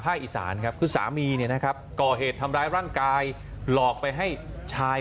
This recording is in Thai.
อีสานครับคือสามีเนี่ยนะครับก่อเหตุทำร้ายร่างกายหลอกไปให้ชาย